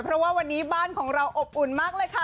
เพราะว่าวันนี้บ้านของเราอบอุ่นมากเลยค่ะ